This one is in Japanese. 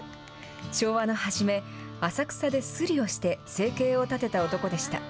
昭和の初め、浅草ですりをして生計を立てた男でした。